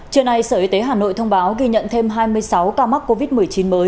trưa nay sở y tế hà nội thông báo ghi nhận thêm hai mươi sáu ca mắc covid một mươi chín mới